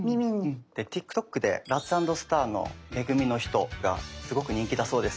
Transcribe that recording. でＴｉｋＴｏｋでラッツ＆スターの「め組のひと」がすごく人気だそうです。